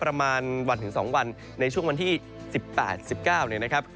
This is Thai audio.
ประมาณ๑๒วันในช่วงวันที่๑๘๑๙นะครับ